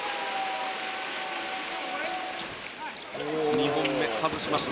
２本目外しました